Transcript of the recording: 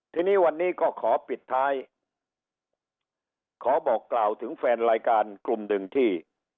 ทีนี้วันนี้ก็ขอปิดท้ายขอบอกกล่าวถึงแฟนรายการกลุ่มหนึ่งที่